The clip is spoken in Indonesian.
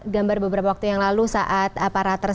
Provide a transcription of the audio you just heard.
gambar beberapa waktu yang lalu saat para tersangka